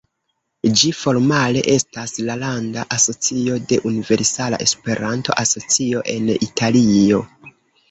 Ĝi formale estas la landa asocio de Universala Esperanto-Asocio en Italio.